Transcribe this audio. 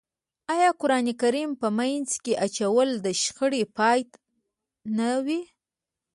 آیا قرآن کریم په منځ کې اچول د شخړې پای نه وي؟